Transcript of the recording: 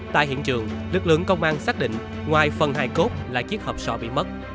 tại hiện trường lực lượng công an xác định ngoài phần hai cốt là chiếc hợp sọ bị mất